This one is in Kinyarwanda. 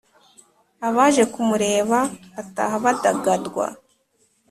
Abaje kumureba bataha badagadwa